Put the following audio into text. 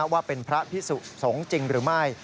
ว่าเป็นพระพิสุสงฆ์จริงหรือไม่